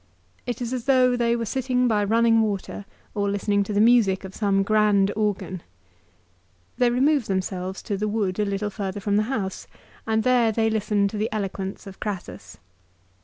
It is as though they were sitting by running water, or listening to the music of some grand organ. They remove themselves to a wood a little further from the house, and there they listen to the eloquence of Crassus.